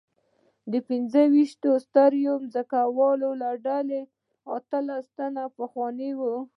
د پنځه ویشت سترو ځمکوالو له ډلې اتلس تنه پخواني وو.